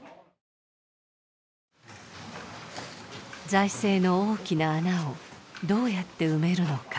財政の大きな穴をどうやって埋めるのか。